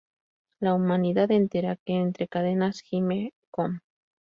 La humanidad entera, que entre cadenas gime, com